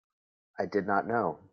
I did not know.